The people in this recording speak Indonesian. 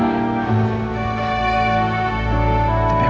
tapi aku rasa